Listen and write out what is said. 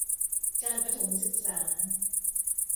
การประถมศึกษา